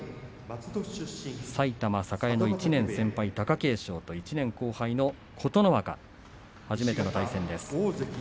埼玉栄の１年先輩の貴景勝と１年後輩の琴ノ若初めての対戦です。